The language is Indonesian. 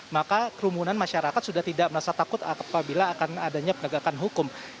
maka kerumunan masyarakat sudah tidak merasa takut apabila akan adanya penegakan hukum